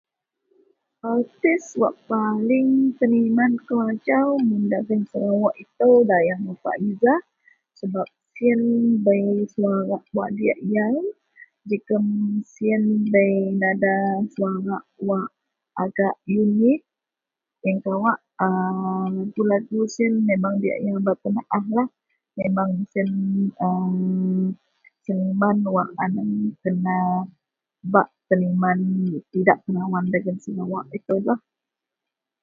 artis wak paling teniman kou ajau dagen serawok itou dayang nurfaizah sebab sien bei semua wak-wak diak yau, jegum sien bei nada suarak wak agak unik, ien kawak a lagu-lagu sien memang diak yau bak tenaahlah, memang sien aaa seniman wak anang kena bak teniman idak tenawan dagen sarawok itoulah